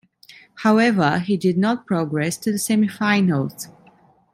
However, he did not progress to the semi-finals.